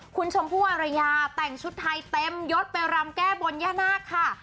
คุณชมพู่อารยาแต่งชุดไทยเต็มยดไปรำแก้บนย่านาคค่ะ